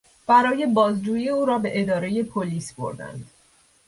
برای بازجویی او را به اداره پلیس بردند.